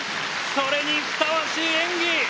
それにふさわしい演技。